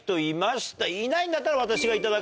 いないんだったら。